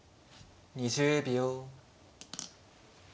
２０秒。